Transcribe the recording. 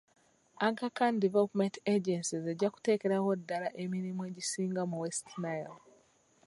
Aga Khan Development agencies ejja kuteekerawo ddala emirimu egisinga mu West Nile.